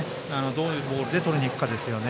どういうボールでとりにいくかですね。